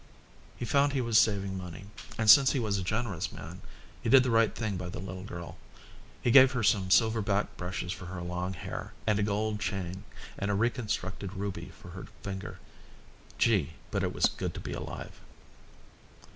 He found he was saving money, and since he was a generous man he did the right thing by the little girl: he gave her some silver backed brushes for her long hair, and a gold chain, and a reconstructed ruby for her finger. Gee, but it was good to be alive.